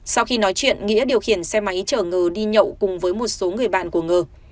sau khi nói chuyện nghĩa điều khiển xe máy chở đi nhậu cùng với một số người bạn của ngờ